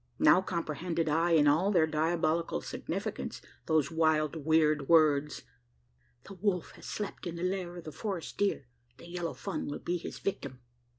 Now comprehended I, in all their diabolical significance, those wild weird words: "The wolf has slept in the lair of the forest deer the yellow fawn will be his victim!"